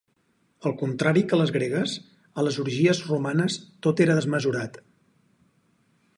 Al contrari que les gregues, a les orgies romanes tot era desmesurat.